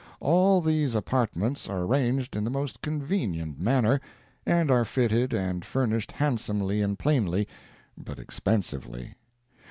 All these apartments are arranged in the most convenient manner, and are fitted and furnished handsomely and plainly, but expensively.